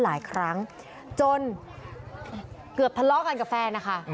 หลายครั้งจนเกือบทะเลาะกันกับแฟนนะคะ